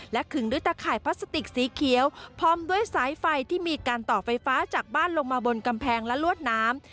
ขึงด้วยตะข่ายพลาสติกสีเขียวพร้อมด้วยสายไฟที่มีการต่อไฟฟ้าจากบ้านลงมาบนกำแพงและลวดน้ำ